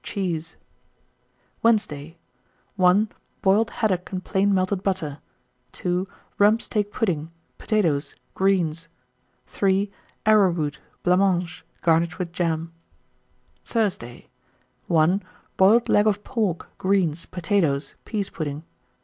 Cheese. 1920. Wednesday. 1. Boiled haddock and plain melted butter. 2. Rump steak pudding, potatoes, greens. 3. Arrowroot, blancmange, garnished with jam. 1921. Thursday. 1. Boiled leg of pork, greens, potatoes, pease pudding.